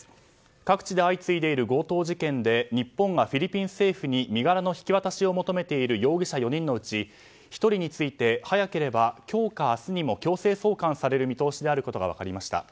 各地で相次いでいる強盗事件で日本がフィリピン政府に身柄の引き渡しを求めている容疑者４人のうち１人について早ければ今日か明日にも強制送還される見通しであることが分かりました。